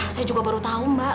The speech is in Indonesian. saya juga baru tahu mbak